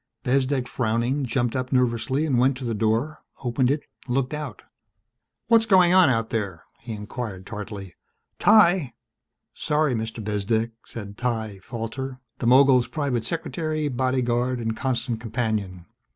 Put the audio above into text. Bezdek, frowning, jumped up nervously and went to the door, opened it, looked out. "What's going on out there?" he inquired tartly. "Ty!" "Sorry, Mr. Bezdek," said Ty Falter, the mogul's private secretary, bodyguard and constant companion.